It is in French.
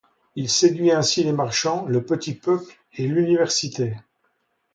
Il séduit ainsi les marchands, le petit peuple et l'Université.